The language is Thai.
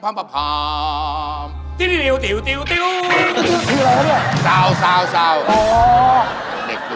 นายชื่ออะไรกันเนี่ย